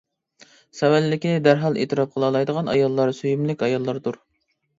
سەۋەنلىكىنى دەرھال ئېتىراپ قىلالايدىغان ئاياللار سۆيۈملۈك ئاياللاردۇر.